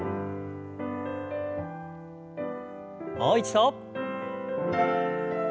もう一度。